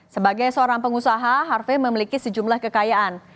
sebagai seorang pengusaha harvey memiliki sejumlah kekayaan